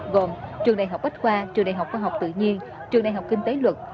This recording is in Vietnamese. gồm trường đại học bách khoa trường đại học khoa học tự nhiên trường đại học kinh tế luật